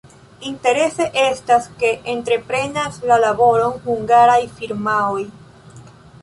Interese estas, ke entreprenas la laboron hungaraj firmaoj.